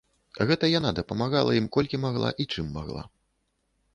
Гэта яна дапамагала ім колькі магла і чым магла.